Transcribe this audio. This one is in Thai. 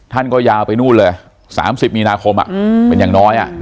ท่านก็ยาวไปนู่นเลย๓๐มีนาคมเป็นอย่างน้อย